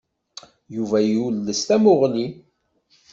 Yuba yules tamuɣli.